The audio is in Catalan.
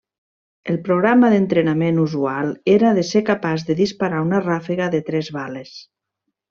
El programa d'entrenament usual era de ser capaç de disparar una ràfega de tres bales.